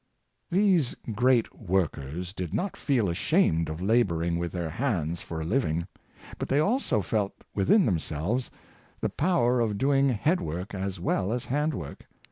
These great workers did not feel ashamed of labor ing with their hands for a living; but they also felt within themselves the power of doing head work as well as hand work.